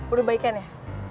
udah baikan ya